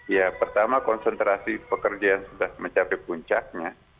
ya pertama konsentrasi pekerja yang sudah mencapai puncaknya